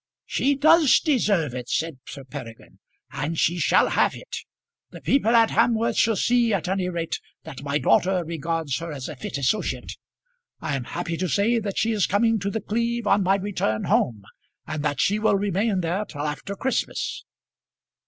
"She does deserve it," said Sir Peregrine, "and she shall have it. The people at Hamworth shall see at any rate that my daughter regards her as a fit associate. I am happy to say that she is coming to The Cleeve on my return home, and that she will remain there till after Christmas."